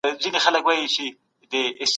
ایا د مېوې په خوړلو سره د بدن اوبه پوره کېږي؟